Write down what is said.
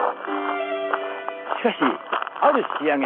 しかし「ある仕上げ」